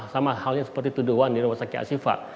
sama halnya seperti tuduhan di rumah sakit asifat